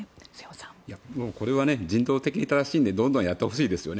これは人道的に正しいのでどんどんやってほしいですよね。